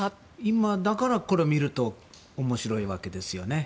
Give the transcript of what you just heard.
今だから、これを見ると面白いわけですよね。